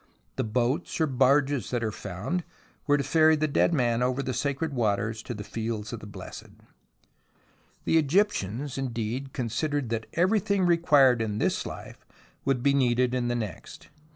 The boats or barges that are found were to ferry the dead man over the sacred waters to the Fields of the Blessed. The Egyptians, indeed, considered that every 4 50 THE ROMANCE OF EXCAVATION thing required in this life would be needed in the next.